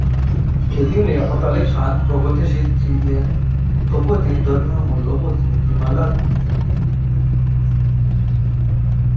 যদিও লিয়াকত আলী খান প্রগতিশীল ছিলেন তবুও তিনি ধর্মীয় মূল্যবোধ ও নীতিমালা অনুসারে সাংবিধানিক সংস্কার চালু করেছিলেন।